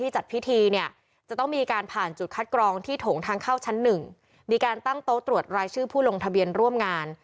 จะตั้งโต๊ะตรวจรายชื่อผู้ลงทะเบียนร่วมงาน